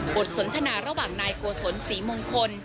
สนทนาระหว่างนายโกศลศรีมงคล